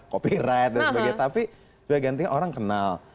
copyright dan sebagainya tapi gantinya orang kenal